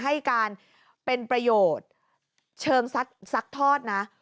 ให้การเป็นประโยชน์เชิงซัดทอดนะ